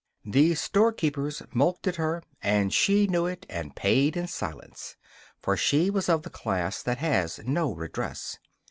The storekeepers mulcted her; and she knew it and paid in silence, for she was of the class that has no redress.